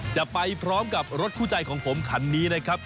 จะไปพร้อมกับรถคู่ใจของผมคันนี้นะครับ